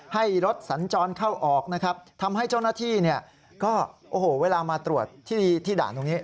ให้รถสัญจรเข้าออกนะครับทำให้เจ้าหน้าที่เนี่ยก็โอ้โหเวลามาตรวจที่ด่านตรงนี้